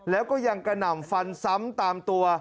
แล้วก็ยังกระหน่ำฟันซ้ำตามตัว